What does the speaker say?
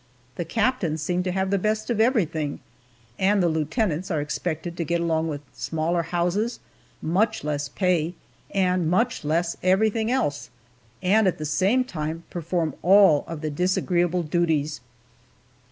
The captains seem to have the best of everything, and the lieutenants are expected to get along with smaller houses, much less pay, and much less everything else, and at the same time perform all of the disagreeable duties.